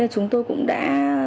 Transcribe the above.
chúng tôi cũng đã